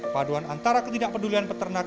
paduan antara ketidakpedulian peternak